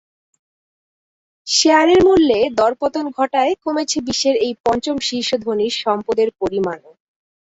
শেয়ারের মূল্যে দরপতন ঘটায় কমেছে বিশ্বের এই পঞ্চম শীর্ষ ধনীর সম্পদের পরিমাণও।